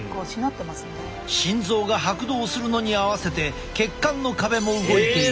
心臓が拍動するのに合わせて血管の壁も動いている。